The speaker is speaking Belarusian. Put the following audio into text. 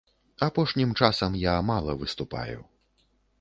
Апошнім часам я мала выступаю.